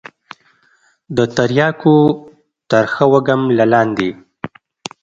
د ترياكو ترخه وږم له لاندې.